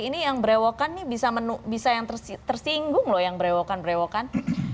ini yang berewokan nih bisa yang tersinggung loh yang berewokan berewokan